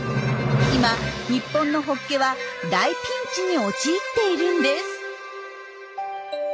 今日本のホッケは大ピンチに陥っているんです。